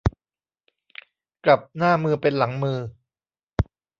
กลับหน้ามือเป็นหลังมือ